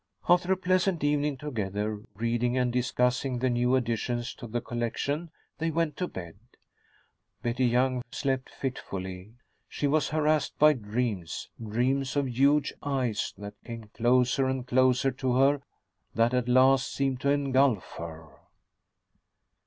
After a pleasant evening together, reading, and discussing the new additions to the collection, they went to bed. Betty Young slept fitfully. She was harassed by dreams, dreams of huge eyes that came closer and closer to her, that at last seemed to engulf her.